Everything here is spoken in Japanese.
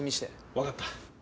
わかった。